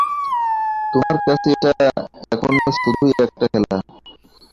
তোমার কাছে এটা এখনো শুধুই একটা খেলা?